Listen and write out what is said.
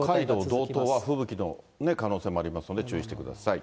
北海道道東は吹雪の可能性もありますので注意してください。